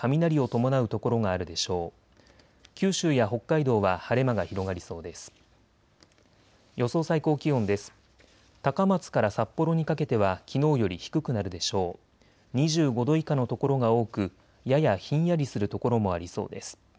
２５度以下の所が多くややひんやりする所もありそうです。